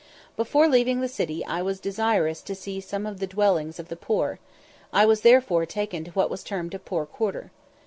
Before leaving the city I was desirous to see some of the dwellings of the poor; I was therefore taken to what was termed a poor quarter.